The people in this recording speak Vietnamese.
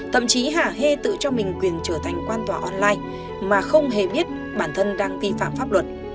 thậm chí hà hê tự cho mình quyền trở thành quan tòa online mà không hề biết bản thân đang vi phạm pháp luật